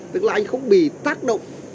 tức là anh không bị tác động